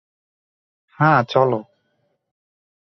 হ্যাঁ, চলো।